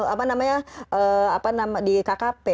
apa namanya di kkp